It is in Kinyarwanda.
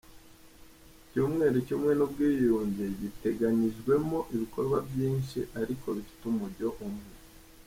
Icyumweru cy’Ubumwe n’ubwiyunge giteganyijwemo ibikorwa byinshi ariko bifite umujyo umwe.